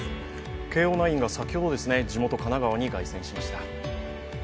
慶応ナインが先ほど地元・神奈川に凱旋しました。